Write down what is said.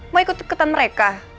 mau ikut tuketan mereka